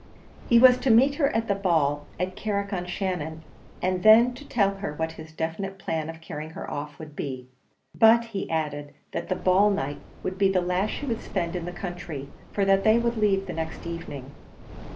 He was to meet her at the ball at Carrick on Shannon, and then tell her what his definite plan of carrying her off would be; but he added that the ball night would be the last she would spend in the country, for that they would leave the next evening.